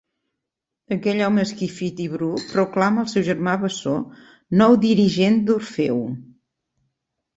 Aquell home esquifit i bru proclama el seu germà bessó nou dirigent d'Orfeu.